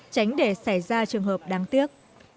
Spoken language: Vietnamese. tránh để xảy ra trường hợp đáng tiếc